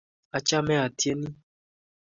Achame atieni